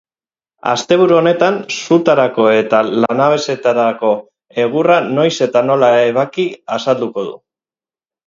Asteburu honetan, sutarako eta lanabesetarako egurra noiz eta nola ebaki azalduko du.